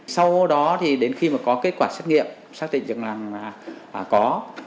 sau đó đến khi có kết quả xét nghiệm xác định rằng có